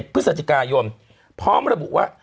พฤศจิกายนพร้อมระบุว่า